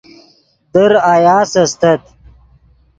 در آیاس استت